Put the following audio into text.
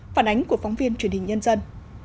phản ánh của phóng viên truyền hình nhân dân